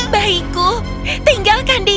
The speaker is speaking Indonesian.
baiku tinggalkan dia